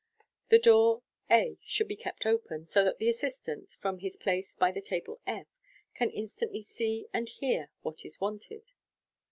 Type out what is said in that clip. The door a should be kept open, so that the assistant, from his place by the table f, can instantly see and hear what is wanted.